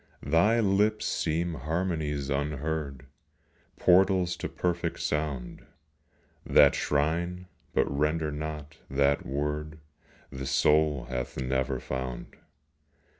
Thy lips seem harmonies unheard, Portals to perfect sound, That shrine, but render not, that word The soul hath never found.